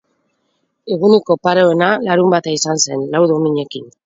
Egunik oparoena larunbata izan zen, lau dominekin.